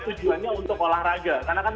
tujuannya untuk olahraga karena kan